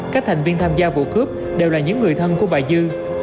các thành viên tham gia vụ cướp đều là những người thân của bà dư